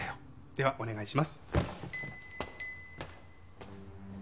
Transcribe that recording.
ではお願いします。